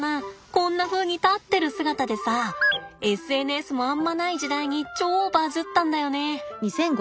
こんなふうに立ってる姿でさあＳＮＳもあんまない時代に超バズったんだよね。